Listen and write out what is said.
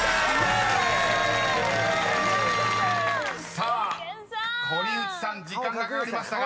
［さあ堀内さん時間がかかりましたが］